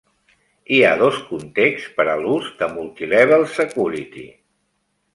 Hi ha dos contexts per a l'ús de Multilevel Security.